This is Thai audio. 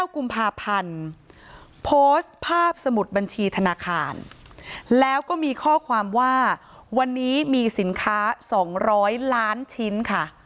กุมภาพันธ์โพสต์ภาพสมุดบัญชีธนาคารแล้วก็มีข้อความว่าวันนี้มีสินค้า๒๐๐ล้านชิ้นค่ะ